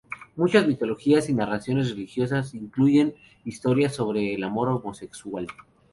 Muchas mitologías y narraciones religiosas incluyen historias sobre el amor homosexual.